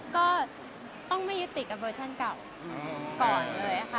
ก็ต้องไม่ยึดติดกับเวอร์ชั่นเก่าก่อนเลยค่ะ